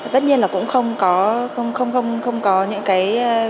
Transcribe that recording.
tất nhiên là cũng không có những cái